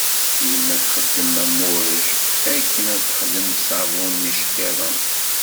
Yemma tsexdam amuṛej akken ad texdem ṣṣabun n yiceṭṭiḍen.